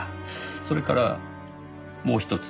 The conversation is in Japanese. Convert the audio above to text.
それからもうひとつ。